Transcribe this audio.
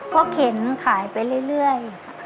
ก็เข็นขายไปเรื่อยค่ะ